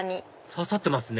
刺さってますね